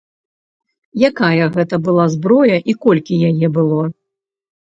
Якая гэта была зброя, і колькі яе было?